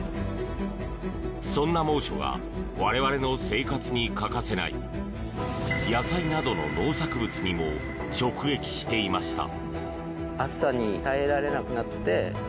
そんな猛暑が我々の生活に欠かせない野菜などの農作物にも直撃していました。